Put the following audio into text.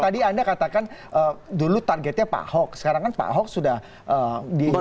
tadi anda katakan dulu targetnya pak ahok sekarang kan pak ahok sudah diizinkan